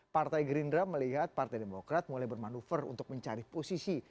partai gerindra melihat partai demokrat mulai bermanuver untuk mencari posisi